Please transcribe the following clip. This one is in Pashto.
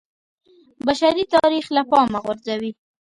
بشري تاریخ له پامه غورځوي